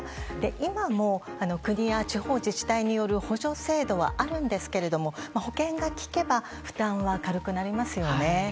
今も国や地方自治体による補助制度はあるんですけども保険がきけば負担は軽くなりますよね。